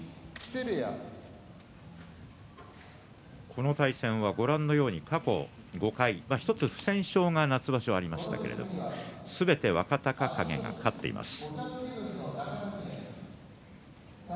この対戦は過去５回１つ不戦勝が夏場所ありましたのですべて若隆景が勝っています。